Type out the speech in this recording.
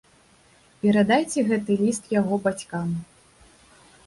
Перадайце гэты ліст яго бацькам.